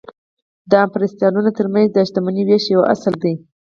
د امپریالیستانو ترمنځ د شتمنۍ وېش یو اصل دی